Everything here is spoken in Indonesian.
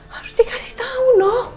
harus dikasih tau noah